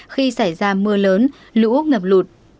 khi xảy ra mưa lớn lũ ngập lụt